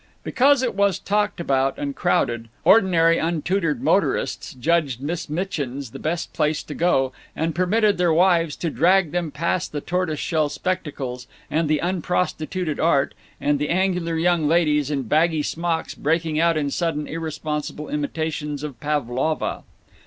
Because it was talked about and crowded, ordinary untutored motorists judged Miss Mitchin's the best place to go, and permitted their wives to drag them past the tortoise shell spectacles and the unprostituted art and the angular young ladies in baggy smocks breaking out in sudden irresponsible imitations of Pavlova.